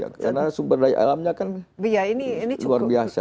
karena sumber daya alamnya kan luar biasa